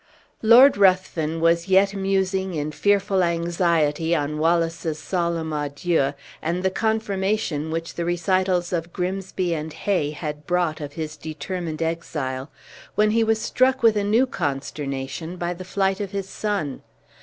Lord Ruthven was yet musing, in fearful anxiety, on Wallace's solemn adieu, and the confirmation which the recitals of Grimsby and Hay had brought of his determined exile, when he was struck with a new consternation by the flight of his son.